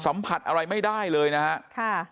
สัมผัสอะไรไม่ได้เลยนะครับ